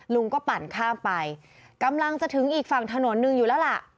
ลุงก็ปั่นข้ามไปกำลังจะถึงอีกฝั่งถนนหนึ่งอยู่แล้วล่ะ